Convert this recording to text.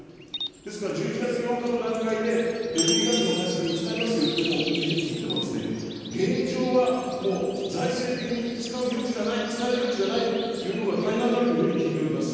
ですから１１月８日の段階で、ＬＰガスの対策に使えますよといっても、現状は、もう財政的に使う余地がない、使える余地がないというところが大半だというふうに聞いております。